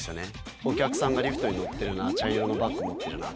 お客さんがリフトに乗ってるな、茶色のバッグ持ってるなって。